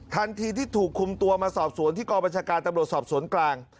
ทันทีที่ถูกคุมตัวมาสอบสวนที่กองบัญชาการตำรวจสอบสวนกลาง